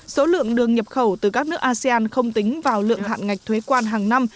số lượng đường nhập khẩu từ các nước asean không tính vào lượng hạn ngạch thuế quan hàng năm